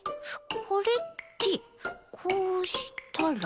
これってこうしたら。